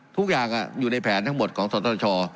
ทุกอย่างอยู่ในแผนทั้งหมดของสตช